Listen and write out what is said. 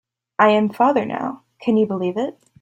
I am father now, can you believe it?